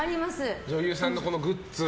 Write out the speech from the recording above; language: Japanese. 女優さんのグッズ。